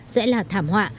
sẽ là thảm họa